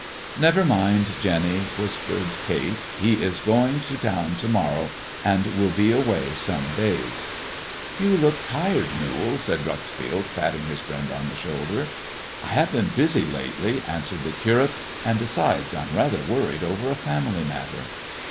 " Never mind, jenny," whispered Kate, "he is going to tOTCn to morrow, and will be away some days." 344 THE IVORY LEG AND THE DIAMONDS You look tired, Newall/' said Dreuxfield, patting bis i friend on the shoulder. | "I have been busy to day," answered the Curate, "and, besides, Vm rather worried over a family matter."